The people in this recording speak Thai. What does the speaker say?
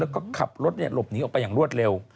แล้วก็ขับรถหลบหนีออกไปอย่างรวดเร็ว